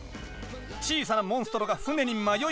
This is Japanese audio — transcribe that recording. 小さなモンストロが船に迷い込み